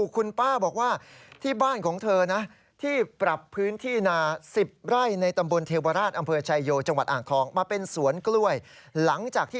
คุณป้าบอกว่าที่บ้านของเธอนะ